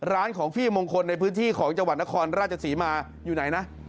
ของพี่มงคลในพื้นที่ของจังหวัดนครราชศรีมาอยู่ไหนนะ